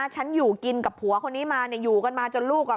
ฉันอยู่กินกับผัวคนนี้มาเนี่ยอยู่กันมาจนลูกอ่ะ